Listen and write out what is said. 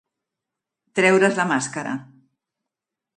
Treure's la màscara.